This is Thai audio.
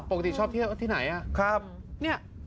ปกติชอบเที่ยวที่ไหนอ่ะ